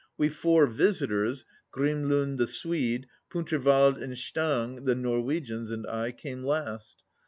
We four visitors, Grim lund the Swede, Puntervald and Stang, the Nor wegians, and I, came last.